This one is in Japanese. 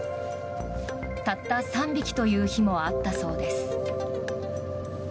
たった３匹という日もあったそうです。